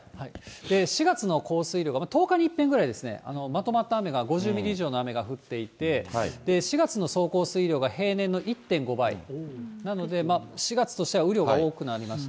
４月の降水量が、１０日にいっぺんぐらい、まとまった雨が、５０ミリ以上の雨が降っていて、４月の総降水量が平年の１．５倍、なので、４月としては雨量が多くなりました。